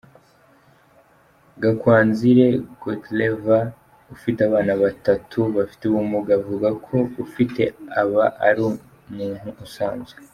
Gakwanzire Godeleva ufite abana batatu bafite ubumuga avuga ko ufite aba ari umuntu usanzwe.